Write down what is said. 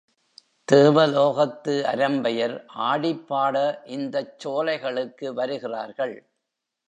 தேவலோகத்து அரம்பையர் ஆடிப்பாட, இந்தச் சோலைகளுக்கு வருகிறார்கள்.